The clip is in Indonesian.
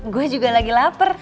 gue juga lagi lapar